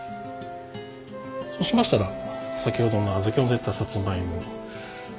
そうしましたら先ほどの小豆をのせたさつまいも。